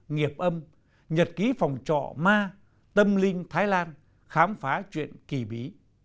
nghiệp âm nhật ký phòng trọ ma tâm linh thái lan khám phá chuyện kỳ bí